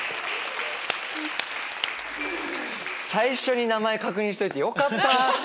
最初に名前確認しといてよかった！